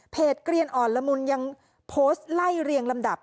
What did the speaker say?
เกลียนอ่อนละมุนยังโพสต์ไล่เรียงลำดับ